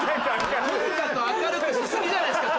とにかく明るくし過ぎじゃないですか？